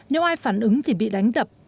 nếu ai phản ứng thì bị đánh đập